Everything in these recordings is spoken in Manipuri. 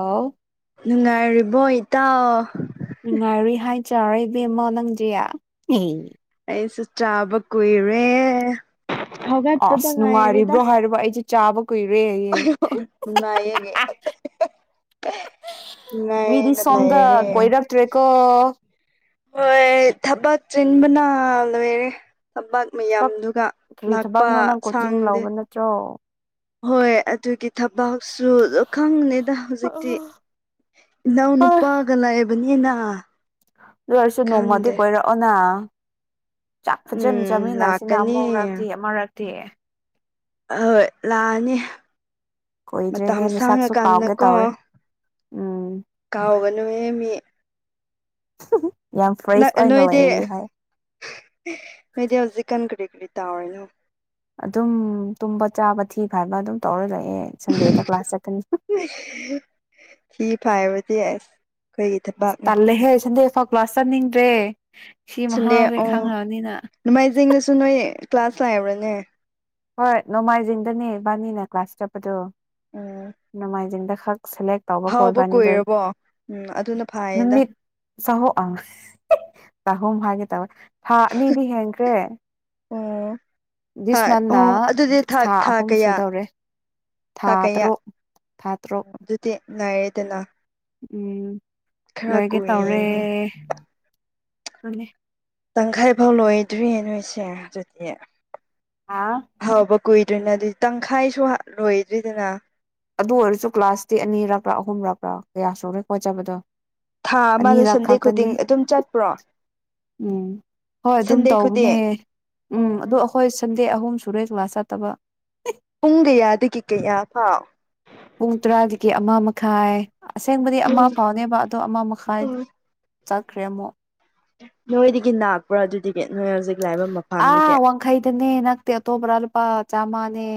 ꯑꯥꯎ [unintelligible] [inaudible] ꯅꯨꯡꯉꯥꯏꯔꯤꯕꯣ ꯏꯇꯥꯎ ꯅꯨꯡꯉꯥꯏꯔꯨꯏ ꯍꯥꯏ ꯆꯔ ꯏꯕꯦꯝꯃꯣ ꯅꯪꯁꯦ ꯑꯩꯁꯨ ꯆꯥꯕ ꯀꯨꯏꯔꯦ ꯍꯧꯒꯠꯄꯗ ꯑꯁ ꯉꯥꯏꯔꯤꯗ ꯅꯨꯡꯉꯥꯏꯔꯤꯕ꯭ꯔꯣ ꯍꯥꯏꯔꯤꯕ ꯑꯩꯁꯦ ꯆꯥꯕ ꯀꯏꯔꯏ [inaudible] ꯅꯨꯡꯉꯥꯏꯌꯦ [unintelligible] ꯃꯤꯗꯤ ꯅꯨꯡꯉꯥꯏꯅ ꯁꯣꯗ ꯂꯩꯔꯦ ꯀꯣꯏꯔꯛꯇ ꯇꯔꯦꯀꯣ ꯍꯣꯏ ꯊꯕꯛ ꯆꯤꯟꯕꯅ ꯂꯣꯏꯔꯦ ꯊꯕꯛ ꯊꯕꯛ ꯃꯌꯥꯝꯗꯨꯒ ꯂꯥꯛꯄ ꯁꯥꯡꯗꯦ ꯆ [unintelligible] [inaudible] ꯍꯣꯏ ꯑꯗꯨꯒꯤ ꯊꯕꯛꯁꯨ ꯑꯗꯨ ꯈꯪꯅꯤꯗ ꯍꯣꯏ ꯍꯧꯖꯤꯛꯇꯤ ꯏꯅꯥꯎ ꯑꯗꯨ ꯅꯨꯄꯥꯒ ꯂꯥꯛꯏꯕꯅꯤꯅ ꯂꯣꯏꯔꯁꯨ ꯅꯣꯡꯃꯗꯤ ꯀꯣꯏꯔꯛꯑꯣꯅ ꯆꯥꯛ ꯐꯖꯅ ꯎꯝ ꯆꯥꯃꯤꯟꯅꯁꯤꯅ ꯂꯥꯛꯀꯅꯤ ꯑꯃꯧꯔꯛꯇꯦ ꯑꯃꯔꯛꯇꯦ ꯑꯣꯏ ꯂꯥꯛꯑꯅꯤ ꯀꯨꯏꯗ꯭ꯔꯦ ꯃꯇꯝ ꯍꯦꯟꯅ ꯁꯛꯁꯨ ꯀꯥꯎꯒꯦ ꯁꯥꯡꯉꯀꯥꯟꯗꯀꯣ ꯇꯧꯔꯦ ꯎꯝ [unintelligible] [inaudible] ꯀꯥꯎꯒꯅꯨꯍ ꯃꯤ ꯌꯥꯝ ꯐ꯭ꯔꯦꯁ ꯑꯣꯏꯅ ꯑꯣꯏꯔꯦ ꯍꯥꯏ ꯃꯗꯤ ꯍꯧꯖꯤꯛ ꯀꯟ ꯀꯔꯤ ꯀꯔꯤ ꯇꯥꯔꯤꯅꯣ ꯑꯗꯨꯝ ꯇꯨꯝꯕ ꯆꯥꯕ ꯊꯤꯕ ꯍꯥꯏꯕ ꯑꯗꯨꯝ ꯇꯧꯔ ꯂꯑꯦ ꯁꯟꯗꯦꯗ ꯀ꯭ꯂꯥꯁ ꯆꯠꯀꯅꯤ ꯊ ꯐ ꯍꯥꯏꯥꯏꯕꯗꯤ ꯑꯁ [unintelligible] [inaudible] ꯊꯕꯥꯛꯅ ꯇꯜꯂꯦꯍꯦ ꯆꯟꯗꯦ ꯐꯥꯎ ꯀ꯭ꯂ꯭ꯂꯥꯁ ꯆꯅꯤꯡ꯭ꯔꯦ ꯁꯟꯗꯦ ꯑꯣ ꯅꯣꯡꯃꯥꯏꯖꯤꯡꯅꯁꯨ ꯅꯣꯏ ꯀ꯭ꯂꯥꯁ ꯂꯥꯛꯔꯕ꯭ꯔꯅꯦ ꯍꯣꯏ ꯅꯣꯡꯃꯥꯏꯖꯤꯡꯗꯅꯦ ꯏꯕꯥꯅꯤꯅ ꯀ꯭ꯂꯥꯁ ꯆꯠꯄꯗꯣ ꯎꯝ ꯅꯣꯡꯃꯥꯏꯖꯤꯡꯗꯈꯛ ꯁꯦꯂꯦꯛ ꯇꯧꯕ ꯀꯣ ꯍꯥꯎꯕ ꯏꯕꯥꯅꯤꯗꯣ ꯀꯨꯏꯔꯕꯣ ꯎꯝ ꯑꯗꯨꯅ ꯐꯥꯏꯌꯦꯗ ꯅꯨꯃꯤꯠ ꯆꯍꯨꯝ ꯑ ꯆꯍꯨꯝ ꯍꯥꯏꯒꯦ ꯇꯧꯋꯦ ꯊꯥ ꯑꯅꯤꯗꯤ ꯍꯦꯟꯈ꯭ꯔꯦ ꯗꯤꯁ ꯑꯣꯥ ꯃꯟꯅ ꯑꯣ ꯑꯗꯨꯗꯤ ꯊꯥ ꯑꯍꯨꯝ ꯀꯌꯥ ꯁꯨꯗꯧꯔꯦ ꯊꯥ ꯆ ꯀꯌꯥ ꯇꯔꯨꯛ ꯊꯥ ꯇꯔꯨꯛ ꯑꯗꯨꯇ ꯅꯥꯥꯏꯦꯗꯅ ꯎꯝ ꯂꯣꯏꯒꯦ ꯇꯧꯔꯦ ꯀꯨꯏꯌꯦꯅꯦ ꯑꯗꯨ ꯇꯪꯈꯥꯏ ꯐꯥꯎ ꯂꯣꯏꯗ꯭ꯔꯤꯌꯦ ꯅꯣꯏꯁꯦ ꯑꯗꯨꯗꯤ ꯑꯥ [unintelligible] [inaudible] ꯍꯍꯥꯎꯕ ꯀꯨꯏꯗꯣꯏꯅꯦ ꯑꯗꯨꯗꯤ ꯇꯪꯈꯥꯏꯁꯨ ꯂꯣꯏꯗ꯭ꯔꯤꯗꯅ ꯑꯗꯨ ꯑꯣꯏꯔꯁꯨ ꯀ꯭ꯂꯥꯁꯇꯤ ꯑꯅꯤꯔꯛꯄ꯭ꯔꯥ ꯑꯍꯨꯝꯔꯛꯄ꯭ꯔꯥ ꯀꯌꯥ ꯁꯣꯛꯨꯔꯦ ꯈꯣꯠꯆꯕꯗꯣ ꯊꯥ ꯑꯃꯗ ꯁꯟꯗꯦ ꯈꯨꯗꯤꯡ ꯑꯗꯨꯝ ꯆꯠꯄ꯭ꯔꯣ ꯎꯝ ꯍꯣꯏ ꯑꯗꯨꯝ ꯁꯟꯗꯦ ꯇꯧꯕꯅꯦ ꯈꯨꯗꯤꯡ ꯎꯝ ꯑꯣ ꯑꯗꯣ ꯑꯩꯈꯣꯏ ꯁꯟꯗꯦ ꯑꯍꯨꯝ ꯁꯨꯔꯦ ꯀ꯭ꯂꯥꯁ ꯆꯠꯇꯕ ꯄꯨꯡ ꯀꯌꯥꯗꯒꯤ ꯀꯌꯥ ꯐꯥꯎ ꯄꯨꯡ ꯇꯔꯥꯗꯒꯤ ꯑꯃ ꯃꯈꯥꯏ ꯑꯁꯦꯡꯕꯗꯤ ꯑꯃ ꯎꯝ ꯐꯥꯎꯅꯦꯕ ꯑꯗꯣ ꯑꯃ ꯃꯈꯥꯏ ꯎꯝ ꯆꯠꯈ꯭ꯔꯦ ꯑꯃꯨꯛ ꯅꯣꯏꯗꯒꯤ ꯥꯛꯄ꯭ꯔꯣ ꯑꯗꯨꯗꯤꯗꯒꯤ ꯅꯣꯏ ꯍꯧꯖꯤꯛ ꯂꯥꯛꯏꯕ ꯑ ꯃꯐꯝꯗꯒꯤ ꯋꯥꯡ ꯈꯩꯗꯅꯤꯦ ꯅꯪ ꯇꯦ ꯑ ꯇꯣꯕ꯭ꯔꯥꯜꯄꯥ ꯆꯥꯃꯅꯦ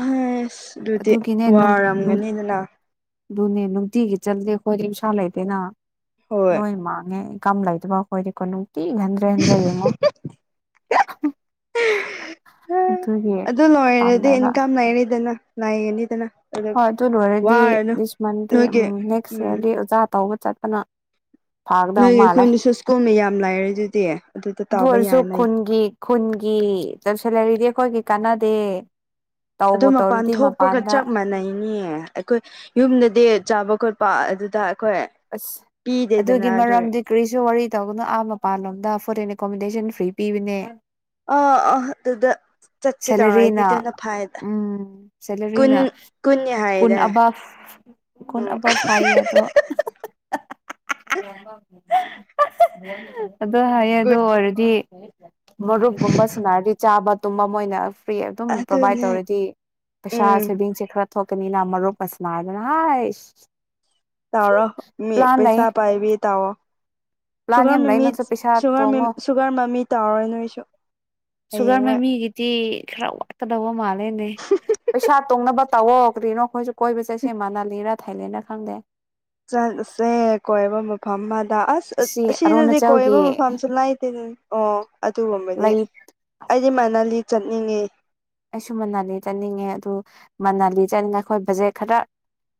ꯑꯁ ꯑꯗꯨꯗꯤ ꯋꯥꯔꯝꯒꯅꯤꯗꯅ ꯑꯗꯨꯅꯦ ꯅꯨꯡꯇꯤꯒꯤ ꯆꯠꯗꯦ ꯑꯩꯈꯣꯏ ꯎꯁꯥ ꯂꯩꯇꯦꯅ ꯍꯣꯏ ꯂꯣꯏ ꯃꯥꯡꯉꯦ ꯀꯝ ꯂꯩꯗꯕ ꯑꯩꯈꯣꯏꯗꯤꯀꯣ ꯅꯨꯡꯇꯤ ꯈꯟꯗ꯭ꯔꯦ ꯍꯟꯗ꯭ꯔꯦ ꯌꯦꯡꯉꯣ ꯑꯗꯨꯒꯤ ꯑꯗꯨ ꯂꯣꯏꯔꯗꯤ ꯇꯜꯂꯦꯕ ꯏꯟꯀꯥꯝ ꯂꯩꯔꯤꯗꯅ ꯂꯅꯥꯒꯅꯤꯗꯅ ꯍꯣꯏ ꯑꯗꯨ ꯂꯣꯏꯔꯗꯤ ꯗꯤꯁ ꯃꯟꯗꯦ ꯅꯣꯏꯒꯤ ꯎꯝ ꯅꯦꯛꯁ ꯎꯝ ꯌꯌꯥꯔꯗꯤ ꯑꯣꯖꯥ ꯇꯧꯕ ꯆꯠꯄꯅꯣ ꯅꯣꯏ ꯑꯩꯈꯣꯏꯅ ꯁꯁꯀꯣꯟꯝꯅ ꯌꯥꯝ ꯂꯥꯏꯔꯦ ꯑꯗꯨꯗꯤ ꯑꯗꯨꯗ ꯑꯗꯨ ꯇꯥꯕ ꯑꯣꯏꯔꯁꯨ ꯌꯥꯅ ꯈꯨꯟꯒꯤ ꯈꯨꯟꯒꯤ ꯆꯧꯁꯤꯜꯂꯔꯤꯗꯤ ꯑꯩꯈꯣꯏꯒꯤ ꯀꯥꯟꯅꯗꯦ ꯑꯗꯨ ꯇꯧꯕ ꯃꯄꯥꯟ ꯇꯧꯔꯗꯤ ꯊꯣꯛꯄꯒ ꯃꯄꯥꯟꯗ ꯆꯞ ꯃꯥꯟꯅꯩꯅꯦ ꯑꯩꯈꯣꯏ ꯌꯨꯝꯗꯗꯤ ꯆꯥꯕ ꯈꯣꯠꯄ ꯑꯗꯨꯗ ꯑꯩꯈꯣꯏ ꯑꯁ ꯄꯤꯗꯦꯗꯅ ꯑꯗꯨꯒꯤ ꯑꯗꯨ ꯃꯔꯝꯗꯤ ꯀꯔꯤꯁꯨ ꯋꯥꯔꯤ ꯇꯧꯒꯅꯣ ꯑꯥ ꯃꯄꯥꯟꯂꯣꯝꯗ ꯐꯨꯗ ꯑꯦꯟ ꯑꯦꯀꯣꯃꯤꯣꯗꯦꯁꯟ ꯐ꯭ꯔꯤ ꯄꯤꯕꯅꯦ ꯑꯥ ꯑꯥ ꯑꯗꯨꯗ ꯆꯠꯀꯦ ꯇꯧꯔ ꯍꯥꯏꯗꯤ ꯁꯦꯂꯔꯤꯅ ꯑꯗꯨꯅ ꯐꯗ ꯎꯝ ꯁꯦꯂꯔꯤꯅ ꯀꯨꯟ ꯍꯥꯏꯗꯥꯏ ꯑꯕꯥꯞ ꯀꯨꯟ ꯎꯝ ꯑꯕꯥꯞ ꯍꯥꯏꯌꯦ ꯑꯗꯣ ꯑꯗꯨ ꯍꯥꯏꯌꯦ ꯑꯗ ꯀꯨꯟ ꯑꯣꯏꯔꯗꯤ ꯃꯔꯨꯞꯒꯨꯝꯕ ꯁꯅꯔꯗꯤ ꯆꯥꯕ ꯇꯨꯝꯕ ꯃꯣꯏꯅ ꯐ꯭ꯔꯤ ꯑꯗꯨꯝ ꯄ꯭ꯔꯣꯕꯥꯏꯗ ꯑꯗꯨꯅꯦ ꯇꯧꯔꯗꯤ ꯄꯩꯁꯥ ꯎꯝ ꯁꯦꯚꯤꯡꯁꯦ ꯈꯔ ꯊꯣꯛꯀꯅꯤ ꯅ ꯃ ꯔꯣ ꯄꯁꯅ ꯍꯥꯏꯗꯅ ꯍꯥꯏ ꯇꯥꯔꯣ ꯃꯤ ꯂꯩ ꯄꯩꯁꯥ ꯄꯥꯏꯕꯤ ꯇꯥꯑꯣꯣ ꯄ꯭ꯂꯥꯟ ꯁꯨꯒꯔ ꯌꯥꯝ ꯂꯩ ꯃꯃꯤ ꯅꯪꯁꯨ ꯄꯩꯁꯥ ꯁꯨꯒ ꯇꯣꯡꯉꯣ ꯁꯨꯒꯔ ꯃꯃꯤ ꯇꯥꯔꯔꯣꯏ ꯅꯣꯏꯁꯨ ꯁꯨꯒꯔ ꯍꯌꯦꯡꯋꯥꯏ ꯃꯃꯤꯒꯤ ꯤ ꯈꯔ ꯋꯥꯠꯀꯗꯕ ꯃꯥꯜꯂꯦꯅꯦ ꯄꯩꯁꯥ ꯇꯣꯡꯅꯕ ꯇꯧꯋꯣ ꯀꯔꯤꯅꯣ ꯑꯩꯈꯣꯏꯁꯨ ꯀꯣꯏꯕ ꯆꯠꯁꯦ ꯃꯅꯥꯂꯤꯔꯥ ꯊꯥꯏꯂꯦꯟꯅ ꯈꯪꯗꯦ ꯆ ꯁꯦ ꯀꯣꯕ ꯃꯐꯝꯝꯃꯗꯥꯁ ꯁꯤ ꯁꯤꯗꯗꯤ ꯑꯔꯨꯅꯥꯆꯜꯒꯤ ꯀꯣꯏꯕ ꯃꯐꯝꯁꯨ ꯂꯩꯇꯦꯗ ꯑꯣ ꯑꯗꯨꯒꯨꯝꯕꯗꯤ ꯂꯩ ꯑꯩꯗꯤ ꯃꯅꯂꯤ ꯆꯠꯅꯤꯡꯉꯦ ꯑꯩꯁꯨ ꯃꯅꯥꯂꯤ ꯆꯠꯅꯤꯡꯉꯦ ꯑꯗꯨ ꯃꯅꯥꯂꯤ ꯆꯠꯅꯤꯡꯉꯦ ꯑꯩꯈꯣꯏ ꯕꯖꯦꯠ ꯈꯔ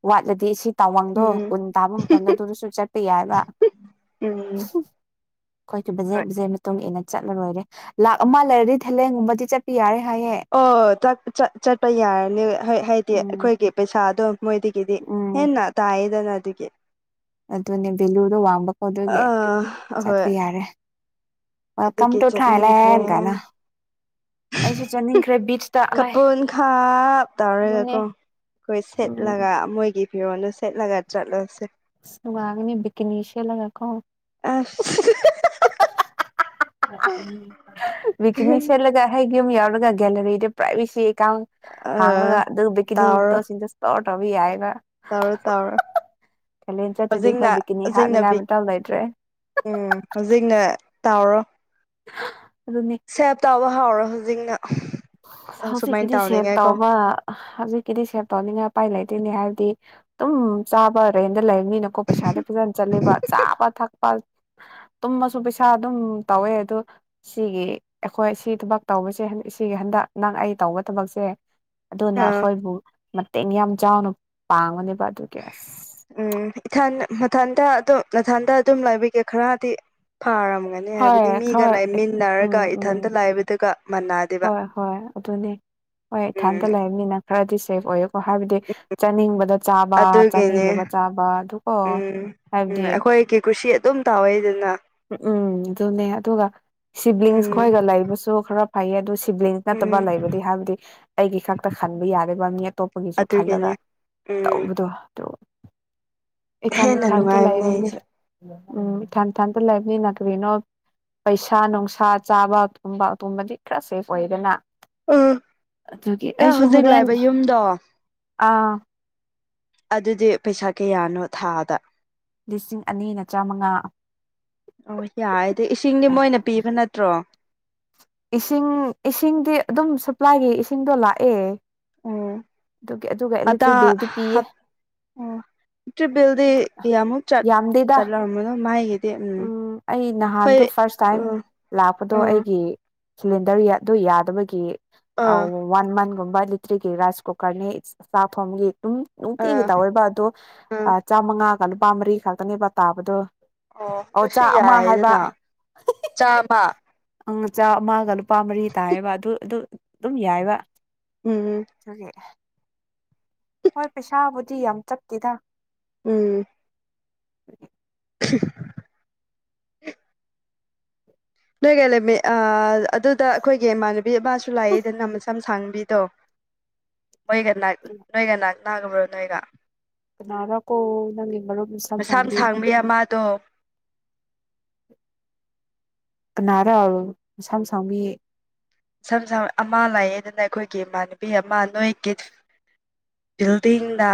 ꯋꯥꯠꯂꯗꯤ ꯇꯥꯋꯥꯡꯗꯣ ꯎꯝ ꯎꯟ ꯇꯥꯕ ꯃꯐꯝꯗ ꯑꯗꯨꯗꯁꯨ ꯆꯠꯄ ꯌꯥꯏꯕ ꯎꯝ ꯑꯩꯈꯣꯏ ꯀ ꯍꯣꯏ ꯕꯖꯦ ꯕꯁꯦ ꯃꯇꯨꯡ ꯏꯟꯅ ꯆꯠꯂ ꯂꯣꯏꯔꯦ ꯂꯥꯛ ꯑꯃ ꯂꯩꯔꯗꯤ ꯊꯦꯂꯦꯟꯒꯨꯝꯕꯗꯤ ꯆꯠꯄꯤ ꯌꯥꯔꯦ ꯍꯥꯏꯌꯦꯦ ꯑꯣ ꯆꯠꯄ ꯌꯥꯔꯅꯤ ꯍꯥꯏꯗꯤ ꯎꯝ ꯑꯩꯈꯣꯏꯒꯤ ꯄꯩꯁꯥ ꯑꯗꯨꯝ ꯃꯣꯏꯗꯒꯤꯗꯤ ꯎꯝ ꯍꯦꯟꯅ ꯇꯥꯏꯌꯦꯗꯅ ꯑꯗꯨꯒꯤ ꯑꯗꯨꯅꯦ ꯚꯦꯂꯨꯗꯣ ꯋꯥꯡꯕꯀꯣ ꯑꯗꯨꯣꯏꯒꯤ ꯑꯥ ꯑꯍꯣꯏ ꯆꯠꯄ ꯌꯥꯔꯦ ꯦꯜꯀꯝ ꯑꯗꯨꯒꯤ ꯇꯨ ꯆꯠꯅꯤꯡꯈ꯭ꯔꯦ ꯊꯥꯂꯑꯒꯅ ꯑꯩꯁꯨ ꯆꯠꯅꯤꯡꯈ꯭ꯔꯦ ꯕꯤꯆꯇ ꯑꯂꯥꯏ ꯀꯄꯨꯟ ꯈꯥꯞ ꯑꯗꯨꯅꯦ ꯇꯧꯔꯒꯀꯣ ꯑꯩꯈꯣꯏ ꯎꯝ ꯁꯦꯠꯂꯒ ꯃꯣꯏꯒꯤ ꯐꯤꯔꯣꯜꯗꯨ ꯁꯦꯠꯂꯒ ꯆꯠꯂꯁꯦ ꯁꯉꯒꯅꯤ ꯕꯤꯒꯅꯦꯁꯤꯌꯥ ꯂꯒ ꯀꯣ ꯑꯁ ꯕꯤꯤꯛꯅꯤ ꯆꯠꯂꯒ ꯍꯦꯛ ꯌꯨꯝ ꯌꯥꯎꯔꯒ ꯒꯦꯂꯔꯤꯗ ꯄ꯭ꯔꯥꯏꯚꯦꯁꯤꯀꯥꯎ ꯍꯥꯡꯂꯒ ꯑ ꯑꯗꯨ ꯕꯤꯀꯤꯅꯤ ꯇꯥꯎꯔꯣ ꯇꯣꯁꯤꯡꯗ ꯇꯧꯔ ꯇꯧꯧꯕ ꯌꯥꯏꯒ ꯇꯥꯎꯔꯣ ꯇꯥꯎꯔꯣ ꯀꯥꯂꯦꯟ ꯆꯠꯇ꯭ꯔꯗꯤ ꯍꯧꯖꯤꯛꯅ ꯈꯣꯠꯕꯤꯀꯤꯅꯤ ꯍꯧꯖꯤꯛꯅ ꯍꯥꯠꯅꯤꯡꯉꯥꯏ ꯕꯤꯠ ꯑꯃꯇꯧ ꯂꯩꯇ꯭ꯔꯦ ꯎꯝ ꯍꯧꯖꯤꯛꯅ ꯇꯥꯎꯔꯣ ꯑꯗꯨꯅꯦ ꯁꯦꯞ ꯇꯥꯕ ꯍꯥꯎꯔꯣ ꯍꯩꯖꯤꯡꯒ ꯍꯧꯖꯤꯛꯀꯤꯗꯤ ꯁꯦꯞ ꯇꯧꯕ ꯍꯧꯖꯤꯛꯀꯤꯗꯤ ꯁꯦꯕ ꯇꯧꯅꯤꯅ ꯎꯄꯥꯏ ꯂꯩꯇꯦꯅꯦ ꯍꯥꯏꯗꯤ ꯗꯨꯝ ꯆꯥꯕ ꯔꯦꯟꯗ ꯂꯩꯕꯅꯤꯅꯀꯣ ꯄꯩꯁꯥꯗꯤ ꯐꯖꯅ ꯆꯠꯂꯤꯕ ꯆꯥꯕ ꯊꯛꯄ ꯇꯨꯝꯃꯁꯨ ꯄꯩꯁꯥ ꯗꯨꯝ ꯇꯧꯋꯦ ꯑꯗꯨ ꯁꯤꯒꯤ ꯑꯈꯣꯏ ꯁꯤ ꯊꯕꯛ ꯇꯧꯕꯁꯦ ꯁꯤꯒꯤ ꯍꯟꯗꯛ ꯅꯪ ꯑꯩ ꯇꯧꯕ ꯊꯕꯛꯁꯦ ꯑꯗꯨꯅ ꯑꯥ ꯑꯈꯣꯏꯕꯨ ꯃꯇꯦꯡ ꯌꯥꯝ ꯆꯥꯎꯅ ꯄꯥꯡꯕꯅꯦꯕ ꯑꯗꯨꯒꯤ ꯑꯁ ꯎꯝ ꯏꯊꯟ ꯃꯊꯟꯗ ꯑꯗꯨ ꯅꯊꯟꯗ ꯑꯗꯨꯝ ꯂꯕꯤꯒꯦ ꯈꯔꯗꯤ ꯐꯔꯝ ꯒꯅꯤ ꯍꯣꯏ ꯍꯥꯏꯕꯗꯤ ꯃꯤꯒ ꯈꯔ ꯎꯝ ꯂꯩꯃꯤꯟꯅꯔꯒ ꯎꯝ ꯏꯊꯟꯇ ꯂꯥꯏꯕꯗꯨꯒ ꯃꯅꯗꯦꯕ꯫ ꯍꯣꯏ ꯍꯣꯏ ꯑꯗꯨꯅꯦ ꯍꯣꯏ ꯏꯊꯥꯟꯇ ꯂꯩꯕꯅꯤꯅ ꯈꯔꯗꯤ ꯁꯦꯐ ꯑꯣꯏ꯫ ꯀ ꯍꯥꯏꯕꯗꯤ ꯆꯥꯅꯤꯡꯕꯗ ꯆꯥꯕ ꯑꯗꯨꯒꯤꯅꯦ ꯆꯥꯅꯤꯡꯗꯕ ꯆꯥꯕ ꯑꯗꯨꯒꯣ ꯍꯥꯏꯕꯗꯤ [unintelligible] ꯗꯨꯝ ꯇꯥꯎꯋꯦ ꯗꯨꯅ ꯎꯝ ꯗꯨꯅꯦ ꯑꯗꯨꯒ ꯎꯝ ꯁꯤꯕ꯭ꯂꯤꯡꯁ ꯈꯣꯏꯒ ꯂꯩꯕꯁꯨ ꯈꯔ ꯐꯩꯌꯦ ꯑꯗꯨ ꯁꯤꯕ꯭ꯂꯤꯡꯁ ꯎꯝ ꯅꯠꯇꯕ ꯂꯩꯕꯗꯤ ꯍꯥꯏꯕꯗꯤ ꯑꯩꯒꯤ ꯈꯛꯇ ꯈꯟꯕ ꯌꯥꯗꯕ ꯃꯤ ꯑꯇꯣꯞꯄꯒꯤꯁꯨ ꯈꯜꯂꯒ ꯑꯗꯨꯒꯤꯅꯦ ꯎꯝ ꯇꯧꯕꯗꯣ ꯗꯨ ꯏꯊꯟ ꯍꯦꯟꯅ ꯏꯊꯟꯇ ꯅꯨꯡꯉꯥꯏꯕꯅꯦ ꯂꯩꯕꯅꯦ꯫ ꯑꯩꯁꯨ ꯎꯝ ꯊꯟ ꯊꯟꯇ ꯂꯩꯕꯅꯤꯅ ꯀꯔꯤꯅꯣ ꯄꯩꯁꯥ ꯅꯨꯡꯁꯥ ꯆꯥꯕ ꯇꯨꯝꯕ ꯑꯗꯨꯝꯕꯗꯤ ꯈꯔ ꯁꯦꯐ ꯑꯣꯏꯗꯅ꯫ ꯎꯝ ꯑꯗꯨꯒꯤ ꯅꯪ ꯑꯩꯁꯨ ꯍꯧꯖꯤꯛ ꯍꯣꯔꯦꯟ ꯂꯩꯕ ꯌꯨꯝꯗꯣ ꯑ ꯑꯗꯨꯗꯤ ꯄꯩꯁꯥ ꯀꯌꯥꯅꯣ ꯊꯥꯗ? ꯂꯤꯁꯤꯡ ꯑꯅꯤꯅ ꯆꯥꯃꯉꯥ ꯑꯣ ꯌꯥꯏꯗ ꯏꯁꯤꯡꯗꯤ ꯃꯣꯏꯅ ꯄꯤꯕ ꯅꯠꯇ꯭ꯔꯣ? ꯏꯁꯤꯡ ꯏꯁꯤꯡꯗꯤ ꯑꯗꯨꯝ ꯁꯄ꯭ꯂꯥꯏꯒꯤ ꯏꯁꯤꯡꯗꯣ ꯂꯥꯛꯑꯦ꯫ ꯎꯝ ꯑꯗꯨꯒꯤ ꯑꯗꯨꯒ ꯑꯇꯥ ꯏꯂꯦꯛꯇ꯭ꯔꯤꯛ ꯕꯤꯜꯗꯤ ꯄꯤꯌꯦ꯫ ꯇ꯭ꯔꯤꯚꯦꯜꯗꯤ ꯑꯗꯨ ꯀꯌꯥꯃꯨꯛ ꯆꯠ ꯌꯥꯝꯗꯦꯗ ꯆꯠꯂꯝꯕꯅꯣ ꯃꯥꯥꯒꯤꯗꯤ ꯎꯝ ꯑꯩ ꯑꯩꯈꯣꯏ ꯅꯍꯥꯟꯗꯣ ꯐꯥꯔꯁ ꯇꯥꯏꯝ ꯎꯝ ꯂꯥꯛꯄꯗꯣ ꯎꯝ ꯑꯩꯒꯤ ꯁꯤꯂꯤꯟꯗꯔ ꯑꯗꯨ ꯌꯥꯗꯕꯒꯤ ꯑ ꯑꯥ ꯋꯥꯟ ꯃꯟꯒꯨꯝꯕ ꯂꯤꯇ꯭ꯔꯤꯒꯤ ꯔꯥꯁ ꯀꯣꯀꯔꯅꯦ ꯆꯥ ꯊꯣꯝꯕꯒꯤꯗꯨꯝ ꯅꯨꯡꯇꯤꯒꯤ ꯑꯥ ꯇꯧꯋꯦꯕ ꯑꯗꯣ ꯑꯥ ꯆꯥꯃꯉꯥꯒ ꯂꯨꯄꯥ ꯃꯔꯤ ꯈꯥꯛꯇꯅꯦꯕ ꯇꯥꯕꯗꯣ꯫ ꯑꯣ ꯑꯗꯨꯁꯨ ꯆꯥꯛ ꯑꯃ ꯍꯥꯏꯕ ꯌꯥꯏꯗꯅ ꯆꯥꯝꯃ ꯎꯝ ꯆꯥ ꯑꯃꯒ ꯂꯨꯄꯥ ꯃꯔꯤ ꯇꯥꯏꯌꯦꯕ ꯑꯗꯨ ꯑꯗꯨ ꯑꯗꯨꯝ ꯌꯥꯏꯕ꯫ ꯎꯝ ꯗꯨꯒꯤ ꯍꯣꯏ ꯄꯩꯁꯥꯕꯨꯗꯤ ꯌꯥꯝ ꯆꯠꯇꯦꯗ꯫ ꯎꯝ [unintelligible] ꯅꯣꯏꯒꯂꯃꯤ ꯑ ꯑꯗꯨꯗ ꯑꯈꯣꯏꯒꯤ ꯏꯃꯥꯟꯅꯕꯤ ꯑꯃꯁꯨ ꯂꯩꯑꯦꯗꯅ ꯃꯁꯝ ꯁꯥꯡꯕꯤꯗꯣ ꯅꯣꯏꯒ ꯅꯛ ꯅꯣꯏꯒ ꯅꯛꯅꯕ꯭ꯔꯣ ꯅꯣꯏꯒ? ꯀꯅꯥꯔꯀꯣ ꯅꯪꯒꯤ ꯃꯔꯨꯞ ꯃꯤꯁꯝ ꯁꯥꯡꯕꯤ? ꯃꯌꯥꯝꯃꯗꯣ ꯀꯅꯥꯔꯥ ꯃꯁꯝ ꯁꯥꯡꯕꯤ? ꯁꯝ ꯁꯝ ꯑꯃ ꯂꯩꯌꯦ ꯗꯅ ꯈꯣꯏꯒꯤ ꯏꯃꯥꯟꯅꯕꯤ ꯑꯃ ꯅꯣꯏꯒꯤ ꯕꯤꯜꯗꯤꯡꯗ꯫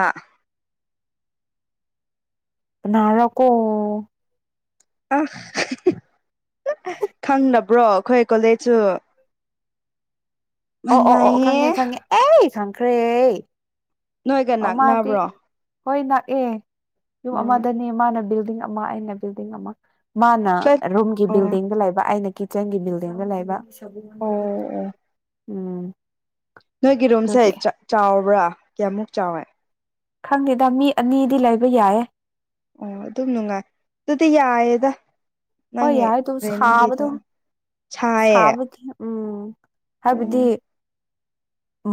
ꯀꯅꯥꯔꯀꯣ ꯑ ꯈꯪꯅꯕ꯭ꯔꯣ ꯈꯣꯏ ꯀꯣꯂꯦꯖꯁꯨ? ꯑꯣ ꯑꯣ ꯑꯣ ꯃꯥꯟꯅꯩꯌꯦ ꯈꯪꯉꯦ ꯈꯪꯉꯦ ꯑꯩ ꯈꯪꯈ꯭ꯔꯦ꯫ ꯅꯣꯏꯒ ꯑ ꯃꯥꯗꯤ ꯅꯛꯅꯕ꯭ꯔꯣ ꯍꯣꯏ ꯅꯛꯑꯦ ꯌꯨꯝ ꯑꯣ ꯑꯃꯗꯅꯦ ꯃꯥꯅ ꯕꯤꯜꯗꯤꯡ ꯑꯩꯅ ꯕꯤꯜꯗꯤꯡ ꯑꯃ ꯃꯥꯅ ꯐ꯭ꯂꯦꯠ ꯔꯨꯝꯒꯤ ꯑꯣ ꯑꯣ ꯕꯤꯜꯗꯤꯡꯗ ꯂꯩꯕ ꯑꯩꯅ ꯀꯤꯠꯆꯟꯒꯤ ꯕꯤꯜꯗꯤꯡꯗ ꯂꯩꯕ ꯑꯣ ꯎꯝ ꯅꯣꯏꯒꯤ ꯔꯨꯝꯁꯦ ꯑꯗꯨꯒꯤ ꯆꯥꯎꯕ꯭ꯔꯥ ꯀꯌꯥꯃꯨꯛ ꯆꯥꯎꯋꯦ ꯈꯪꯗꯦꯗ ꯃꯤ ꯑꯅꯤꯗꯤ ꯂꯩꯕ ꯌꯥꯏꯌꯦ ꯑꯥ ꯑꯗꯨꯝ ꯅꯨꯡꯉꯥꯏ ꯑꯗꯨꯗꯤ ꯌꯥꯏꯌꯦꯗ ꯍꯣꯏ ꯅꯪꯒꯤ ꯌꯥꯏꯗꯨ ꯁꯥꯕꯗꯨ ꯔꯦꯟꯒꯤꯗꯣ ꯁꯥꯏꯌꯦ ꯁꯥꯕ ꯎꯝ ꯍꯥꯏꯕꯗꯤ ꯎꯝ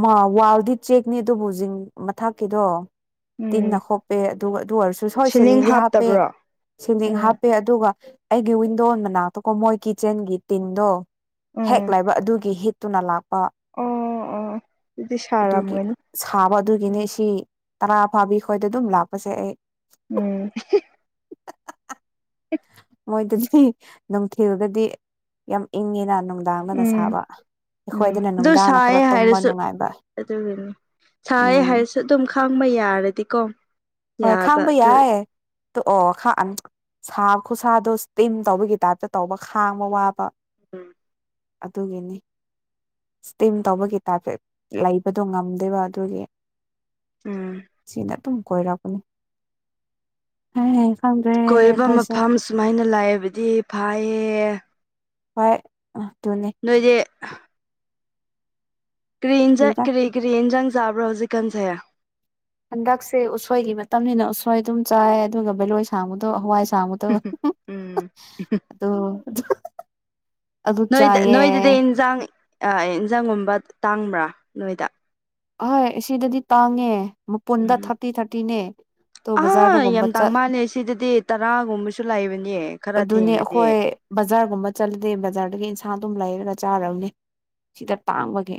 ꯃꯥ ꯋꯥꯜꯗꯤ ꯆꯦꯛꯅꯤ ꯑꯗꯨꯕꯨ ꯖꯤꯡ ꯃꯊꯛꯀꯤꯗꯣ ꯇꯤꯟꯅ ꯎꯝ ꯈꯣꯞꯄꯦ ꯑꯗꯨꯒ ꯑꯗꯨ ꯑꯣꯏꯔꯁꯨ ꯁꯣꯏ ꯁꯤꯂꯤꯡ ꯁꯤꯂꯤꯡꯗꯤ ꯍꯥꯞꯄꯦ ꯍꯥꯞꯇꯕ꯭ꯔꯣ ꯁꯤꯂꯤꯡ ꯎꯝ ꯍꯥꯞꯄꯦ ꯑꯗꯨꯒ ꯑꯩꯒꯤ ꯋꯤꯟꯗꯣ ꯃꯅꯥꯛꯇꯀꯣ ꯃꯣꯏ ꯀꯤꯠꯆꯦꯟꯒꯤ ꯇꯤꯟꯗꯣ ꯍꯦꯛ ꯎꯝ ꯂꯩꯕ ꯑꯗꯨꯒꯤ ꯍꯤꯠ ꯇꯨꯅ ꯂꯥꯛꯄ ꯑꯣ ꯑꯣ ꯑꯗꯨꯗꯤ ꯑꯗꯨꯒꯤ ꯁꯥꯔꯝꯒꯅꯤ ꯁꯥꯕ ꯑꯗꯨꯒꯤꯅꯤ ꯁꯤ ꯇꯔꯥ ꯐꯥꯕꯤ ꯑꯩꯈꯣꯏꯗ ꯑꯗꯨꯝ ꯂꯥꯛꯄꯁꯦ ꯑꯩ ꯎꯝ [inaudible] ꯃꯣꯏꯗꯗꯤ ꯅꯨꯡꯊꯤꯜꯗꯗꯤ ꯌꯥꯝ ꯏꯪꯉꯤꯅ ꯅꯨꯡꯗꯥꯡꯗꯅ ꯎꯝ ꯁꯥꯕ ꯎꯝ ꯑꯩꯈꯣꯏꯗꯅ ꯑꯗꯨ ꯅꯨꯡꯗꯥꯡꯅ ꯈꯔ ꯁꯥꯏꯌꯦ ꯇꯨꯝꯕ ꯅꯨꯡꯉꯥꯏꯕ ꯁꯥꯏ ꯎꯝ ꯍꯥꯏꯔꯁꯨ ꯑꯗꯨꯝ ꯈꯥꯡꯕ ꯌꯥꯔꯗꯤꯀꯣ ꯍꯣꯏ ꯌꯥꯕ ꯈꯥꯡꯕ ꯑꯗꯨ ꯌꯥꯏ [unintelligible] ꯁꯥ ꯈꯨꯠꯁꯥꯗꯣ ꯏꯁꯇꯤꯝ ꯇꯧꯕꯒꯤ ꯇꯥꯏꯞꯇ ꯇꯧꯕ ꯈꯥꯡꯕ ꯋꯥꯕ ꯎꯝ ꯑꯗꯨꯒꯤꯅꯤ ꯏꯁꯇꯤꯝ ꯇꯧꯕꯒꯤ ꯇꯥꯏꯞꯁ ꯂꯩꯕꯗꯣ ꯉꯝꯗꯦꯕ ꯑꯗꯨꯒꯤ ꯎꯝ ꯁꯤꯗ ꯑꯗꯨꯝ ꯀꯣꯏꯔꯄꯅꯤ ꯍꯏ ꯈꯡꯗ꯭ꯔꯦ ꯀꯣꯏꯕ ꯀꯣꯏꯁꯦ ꯃꯐꯝ ꯁꯨꯃꯥꯏꯅ ꯂꯥꯏꯕꯗꯤ ꯐꯩꯌꯦ ꯍꯣꯏ ꯑꯗꯨꯅꯦ ꯅꯣꯏꯗꯤ ꯀ꯭ꯔꯤ ꯏꯟꯖꯥꯡ ꯀꯔꯤꯔꯥ ꯀ꯭ꯔꯤ ꯀꯔꯤ ꯏꯟꯖꯥꯡ ꯆꯥꯕ꯭ꯔꯣ ꯍꯧꯖꯤꯛ ꯀꯟꯖꯦ ꯍꯟꯗꯛꯁꯦ ꯎꯁꯣꯏꯒꯤ ꯃꯇꯝꯅꯤꯅ ꯎꯁꯣꯏ ꯑꯗꯨꯝ ꯆꯥꯏ ꯑꯗꯨꯒ ꯚꯦꯂꯣꯏ ꯁꯥꯡꯕꯗꯣ ꯍꯋꯥꯏ ꯁꯥꯡꯕꯗ ꯎꯝ ꯑꯗꯣ ꯑꯗꯨ [unintelligible] ꯅꯣꯏꯗ ꯆꯥꯏꯌꯦ ꯅꯣꯏꯗꯗꯤ ꯏꯟꯖꯥꯡ ꯏꯟꯖꯥꯡꯒꯨꯝꯕ ꯇꯥꯡꯕ꯭ꯔꯥ ꯅꯣꯏꯗ ꯑꯍꯣꯏ ꯁꯤꯗꯗꯤ ꯇꯥꯡꯉꯦ ꯃꯄꯨꯟꯗ ꯎꯝ ꯊꯥꯔꯇꯤ ꯊꯥꯔꯇꯤꯅꯦ ꯇꯣ ꯑꯥ ꯌꯥꯝ ꯕꯖꯥꯔꯗꯒꯨꯝꯕ ꯆꯠ ꯇꯥꯡ ꯃꯥꯥꯟꯜꯂꯦ ꯁꯤꯗꯗꯤ ꯇꯔꯥꯒꯨꯝꯕꯁꯨ ꯂꯩꯕꯅꯦ ꯈꯔ ꯑꯗꯨꯅꯦ ꯊꯦꯡꯉꯗꯤ ꯑꯩꯈꯣꯏ ꯕꯖꯥꯔꯒꯨꯝꯕ ꯆꯠꯂꯗꯤ ꯕꯖꯥꯔꯗꯒꯤ ꯏꯟꯁꯡ ꯑꯗꯨꯝ ꯂꯩꯔꯒ ꯆꯥꯔꯔꯕꯅꯤ ꯁꯤꯗ ꯇꯥꯡꯕꯒꯦ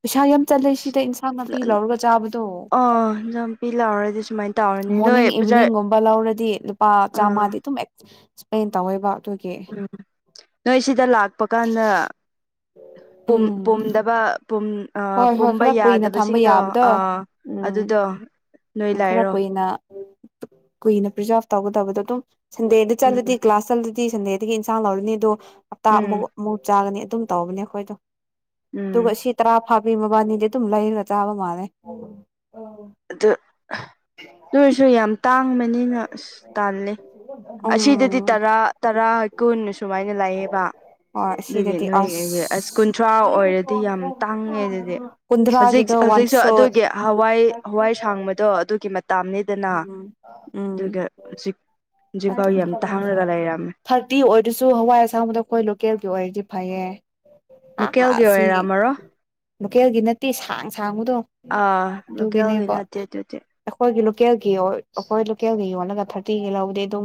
ꯄꯩꯁꯥ ꯌꯥꯝ ꯆꯜꯂꯦ ꯁꯤ ꯇ ꯏꯟꯁꯥꯡ ꯅꯥꯄꯤ ꯂꯧꯔꯒ ꯆꯥꯕꯗꯣ ꯑꯣ ꯏꯟꯖꯥꯡ ꯅꯥꯄꯤ ꯂꯥꯎꯔꯗꯤ ꯁꯨꯃꯥꯏꯅ ꯇꯧꯔꯅꯤ ꯅꯣꯏ ꯃꯣꯔꯅꯤꯡ ꯕꯖꯥꯔ ꯏꯚꯤꯅꯤꯡꯒꯨꯝꯕ ꯂꯧꯔꯗꯤ ꯗꯤ ꯂꯨꯄꯥ ꯑꯥ ꯆꯥꯝꯉꯥꯗꯤ ꯑꯗꯨꯝ ꯑꯦꯛꯁꯄ꯭ꯂꯦꯟ ꯇꯧꯋꯦꯕ ꯑꯗꯨ ꯎꯝ ꯅꯣꯏꯁꯤꯗ ꯂꯥꯛꯄ ꯀꯥꯟꯗ ꯄꯨꯝ ꯎꯝ ꯄꯨꯝꯗꯕ ꯄꯨꯝ ꯑ ꯍꯣꯏ ꯍꯣꯏ ꯄꯨꯝꯕ ꯈꯔ ꯀꯨꯏꯅ ꯊꯝꯕ ꯌꯥꯗꯕꯁꯤꯡꯗꯣ ꯌꯥꯕꯗꯣ ꯑ ꯎꯝ ꯑꯗꯨꯗꯣ ꯅꯣꯏ ꯈꯔ ꯂꯥꯏꯔꯣ ꯀꯨꯏꯅ ꯀꯨꯏꯅ ꯄ꯭ꯔꯤꯖꯥꯕ ꯇꯧꯒꯗꯕꯗꯣ ꯑꯗꯨꯝ ꯁꯟꯗꯦꯗ ꯎꯝ ꯆꯠꯂꯗꯤ ꯀ꯭ꯂꯥꯁ ꯆꯠꯂꯗꯤ ꯁꯟꯗꯦꯗ ꯑꯗꯒꯤ ꯏꯟꯁꯥꯡ ꯂꯧꯔꯅꯤ ꯑꯗꯣ ꯍꯞꯇꯥ ꯎꯝ ꯑꯃꯨꯛ ꯑꯃꯨꯛ ꯆꯥꯒꯅꯤ ꯑꯗꯨꯝ ꯇꯧꯕꯅꯦ ꯑꯩꯈꯣꯏꯗꯣ ꯎꯝ ꯑꯗꯨꯒ ꯁꯤ ꯇꯔꯥ ꯐꯥꯕꯤ ꯃꯕꯥꯅꯤꯗꯤ ꯑꯗꯨꯝ ꯂꯩꯔꯒ ꯆꯥꯕ ꯃꯥꯜꯂꯦ ꯑꯗꯨ ꯑꯗꯨ ꯑꯣꯏꯁꯨ ꯌꯥꯝ ꯇꯥꯡꯕꯅꯤꯅ ꯑꯁ ꯇꯥꯜꯂꯤ ꯑꯁꯤꯗꯗꯤ ꯎꯝ ꯇꯔꯥ ꯇꯔꯥ ꯀꯨꯟ ꯁꯨꯃꯥꯏꯅ ꯂꯥꯏꯑꯦꯕ ꯍꯣꯏ ꯑꯗꯨꯒꯤ ꯁꯤꯗꯗꯤ ꯅꯣꯏꯒꯤꯒꯤ ꯑꯁ ꯀꯨꯟꯊ꯭ꯔꯥ ꯑꯣꯏꯔꯗꯤ ꯌꯥꯝ ꯇꯥꯡꯉꯦ ꯑꯗꯨꯗꯤ ꯍꯧꯖꯤꯛ ꯀꯨꯟꯗ꯭ꯔꯥꯒꯤꯗꯣ ꯋꯥꯟ ꯍꯧꯖꯤꯛꯁꯨ ꯁꯣꯠ ꯑꯗꯨꯒꯤ ꯍꯋꯥꯏ ꯍꯋꯥꯏ ꯁꯥꯡꯕꯗꯣ ꯑꯗꯨꯒꯤ ꯃꯇꯝꯅꯤ ꯗꯅ ꯎꯝ ꯎꯝ ꯑꯗꯨꯒ ꯍꯧꯖꯤꯛ ꯍꯧꯖꯤꯛꯐꯥꯎ ꯌꯥꯝ ꯇꯥꯡꯂꯒ ꯂꯩꯔꯝꯃꯦ ꯍꯜꯗꯤ ꯑꯣꯏꯔꯁꯨ ꯍꯋꯥꯏ ꯑꯁꯥꯡꯕꯗ ꯑꯩꯈꯣꯏ ꯂꯣꯀꯦꯜꯒꯤ ꯑꯣꯏꯔꯗꯤ ꯐꯩꯌꯦ ꯑꯥ ꯂꯨꯀꯦꯜꯒꯤ ꯁꯤ ꯑꯣꯏꯔꯝꯃꯔꯣ ꯂꯣꯀꯦꯜꯒꯤ ꯅꯠꯇꯦ ꯁꯥꯡ ꯁꯥꯡꯕꯗꯣ ꯑꯥ ꯂꯣꯀꯦꯜꯒꯤ ꯑꯗꯨꯒꯤꯅꯦꯕ ꯅꯠꯇꯦ ꯑꯗꯨꯗꯤ ꯑꯩꯈꯣꯏꯒꯤ ꯂꯣꯀꯦꯜꯒꯤ ꯑꯩꯈꯣꯏ ꯂꯣꯀꯦꯜꯒꯤ ꯌꯣꯜꯂꯒ ꯊꯥꯔꯇꯤꯒꯤ ꯂꯧꯗꯦ ꯑꯗꯨꯝ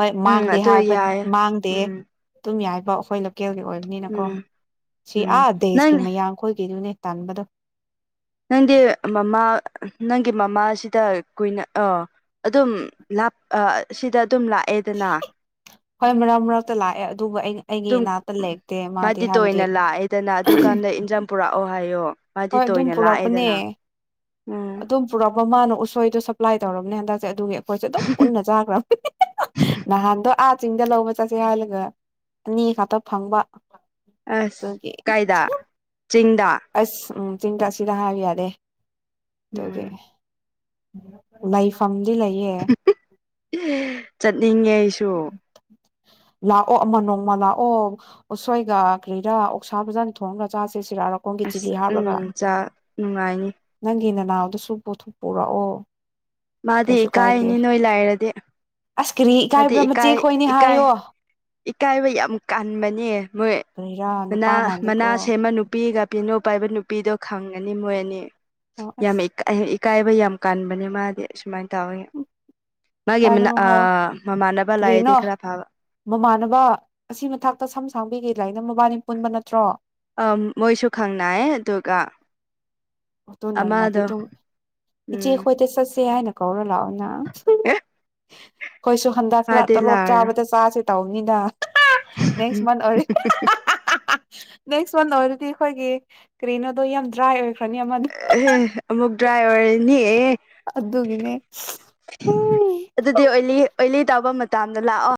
ꯍꯣꯏ ꯎꯝ ꯃꯥꯡꯗꯦ ꯑꯗꯨ ꯍꯥꯏꯕ ꯌꯥꯏ ꯃꯥꯡꯗꯦ ꯎꯝ ꯑꯗꯨꯝ ꯌꯥꯏꯕ ꯑꯩꯈꯣꯏ ꯂꯣꯀꯦꯜꯒꯤ ꯑꯣꯏꯕ ꯅꯤꯅ ꯀꯣ ꯎꯝ ꯁꯤ ꯎꯝ ꯑꯥ ꯅꯪ ꯗꯦꯁꯀꯤ ꯃꯌꯥꯡꯈꯣꯏꯒꯤꯗꯨꯅꯦ ꯇꯥꯟꯕꯗꯣ ꯅꯪꯗꯤ ꯃꯃꯥ ꯅꯪꯒꯤ ꯃꯃꯥꯁꯤꯗ ꯀꯨꯏꯅ ꯑ ꯑꯗꯨꯝ ꯂꯥꯛ ꯑ ꯁꯤꯗ ꯑꯗꯨꯝ ꯂꯥꯛꯑꯦꯗꯅ ꯍꯣꯏ ꯃꯔꯛ ꯃꯔꯛꯇ ꯂꯥꯛꯑꯦ ꯑꯗꯨꯒ ꯑꯩꯅ ꯑꯗꯨꯝ ꯃꯥꯗꯤ ꯇꯣꯏꯅ ꯂꯥꯛꯑꯦꯗꯅ ꯑꯗꯨꯀꯥꯟꯗ ꯏꯟꯖꯥꯟ ꯄꯨꯔꯛꯑꯣ ꯍꯥꯏꯌꯣ ꯃꯥꯗꯤ ꯍꯣꯏ ꯑꯗꯨꯝ ꯇꯣꯏꯅ ꯄꯨꯔꯛꯄꯅꯦ ꯂꯥꯛꯑꯦꯗꯅ ꯎꯝ ꯑꯗꯨꯝ ꯄꯨꯔꯛꯄ ꯃꯥꯅ ꯎꯁꯣꯏꯗꯣ ꯁꯞꯄ꯭ꯂꯥꯏ ꯇꯧꯔꯕꯅꯦ ꯍꯟꯗꯛꯁꯦ ꯑꯗꯨꯒꯤ ꯑꯩꯈꯣꯏꯁꯨ ꯑꯗꯨꯝ ꯄꯨꯟꯅ ꯆꯥꯈ꯭ꯔꯕꯅꯦ ꯅꯍꯥꯟꯗꯣ ꯑꯥ ꯆꯤꯡꯗ ꯂꯧꯕ ꯆꯠꯁꯤ ꯍꯥꯏꯂꯒ ꯑꯅꯤ ꯈꯛꯇ ꯐꯪꯕ ꯑꯁ ꯑꯗꯨꯒꯤ ꯀꯥꯏꯗ ꯆꯤꯡꯗ ꯑꯁ ꯎꯝ ꯆꯤꯡꯗ ꯁꯤꯗ ꯍꯥꯏꯕ ꯌꯥꯗꯦ ꯑꯗꯨꯒꯤ ꯎꯝ ꯂꯩꯐꯝꯗꯤ ꯂꯩꯌꯦ ꯆꯠꯅꯤꯡꯉꯦ ꯑꯩꯁꯨ ꯂꯥꯛꯑꯣ ꯑꯃ ꯅꯣꯡꯃ ꯂꯥꯛꯑꯣ ꯎꯁꯣꯏꯒ ꯀꯔꯤꯔꯥ ꯑꯣꯛꯁꯥ ꯐꯖꯅ ꯊꯣꯡꯉꯒ ꯆꯥꯁꯦ ꯁꯤꯔꯥꯔꯛ ꯑꯁ ꯎꯝ ꯆꯥ ꯅꯨꯡꯉꯥꯏꯅꯤ ꯅꯪꯒꯤ ꯅꯅꯥꯎꯗꯨꯁꯨ ꯄꯣꯊꯣꯛ ꯄꯨꯔꯛꯑꯣ ꯃꯥꯗꯤ ꯀꯩꯁꯨ ꯀꯥꯏꯗꯦ ꯏꯀꯥꯏꯅꯤ ꯅꯣꯏ ꯂꯩꯔꯗꯤ ꯑꯁ ꯀꯔꯤ ꯏꯀꯥꯏꯕ꯭ꯔꯥ ꯃꯆꯦꯈꯣꯏꯅꯦ ꯏꯀꯥꯏ ꯍꯥꯏꯌꯣ ꯏꯀꯥꯏꯕ ꯌꯥꯝ ꯀꯟꯕꯅꯦ ꯃꯣꯏ ꯀꯔꯤꯔꯥ ꯅꯨꯄꯥ ꯃꯅꯥ ꯃꯥꯟꯗꯦꯀꯣ ꯃꯅꯥ ꯁꯦꯝꯃ ꯅꯨꯄꯤꯒ ꯄꯦꯅꯣ ꯄꯥꯏꯕ ꯅꯨꯄꯤꯗꯣ ꯈꯪꯒꯅꯤ ꯃꯣꯏ ꯑꯅꯤ ꯑꯣ ꯌꯥꯝ ꯑꯁ ꯏꯀꯥꯏꯕ ꯌꯥꯝ ꯀꯥꯟꯕꯅꯦ ꯃꯥꯗꯤ ꯑꯁꯨꯃꯥꯏ ꯇꯧꯋꯤ ꯎꯝ ꯃꯥꯒꯤ ꯑꯃꯅ ꯑ ꯃꯃꯥꯟꯅ ꯀ꯭ꯔꯤꯅꫭ ꯃꯃꯥꯟꯅꯕ ꯑꯁꯤ ꯃꯊꯥꯛꯇ ꯁꯝ ꯁꯥꯡꯕꯤꯒꯦ ꯂꯥꯏꯅ ꯃꯕꯥꯅꯤ ꯄꯨꯟꯕ ꯅꯠꯇ꯭ꯔꯣ ꯑ ꯃꯣꯏꯁꯨ ꯈꯪꯅꯩꯌꯦ ꯑꯗꯨꯒ ꯑꯗꯣ ꯅꯣꯡꯃꯗꯤ ꯑꯃꯗꯣ ꯑꯗꯨꯝ ꯎꯝ ꯏꯆꯦꯈꯣꯏꯗ ꯆꯠꯁꯦ ꯍꯥꯏꯅ ꯀꯧꯔ ꯂꯥꯛꯑꯣ ꯅ ꯑꯦ ꯑꯩꯈꯣꯏꯁꯨ ꯍꯟꯗꯛ ꯈꯔ ꯃꯥꯗꯤ ꯇꯣꯂꯣꯞ ꯂꯥꯛꯑꯔꯣꯏ ꯆꯥꯕꯗ ꯆꯥꯁꯦ ꯇꯧꯕꯅꯤꯅ ꯅꯦꯛꯁ ꯃꯟ ꯑꫭꯏꯔꯦ ꯅꯦꯛꯁ ꯃꯟ ꯑꯣꯏꯔꯗꯤ ꯑꯩꯈꯣꯏꯒꯤ ꯀꯔꯤꯅꯣꯗꯣ ꯌꯥꯝ ꯗ꯭ꯔꯥꯏ ꯑꯣꯏꯈ꯭ꯔꯅꯤ ꯑꯃꯗꫭ ꯑꯦ ꯑꯃꯨꯛ ꯗ꯭ꯔꯥꯏ ꯑꯣꯏꯔꯅꯤꯍꯦ ꯑꯗꯨꯒꯤꯅꯦ ꯎꯝ ꯑꯗꯨꯗꯤ ꯑꯣꯏꯂꯤ ꯑꯣꯏꯂꯤ ꯇꯥꯕ ꯃꯇꯝꯗ ꯂꯥꯛꯑꯣ